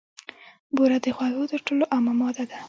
بوره د خوږو تر ټولو عامه ماده ده.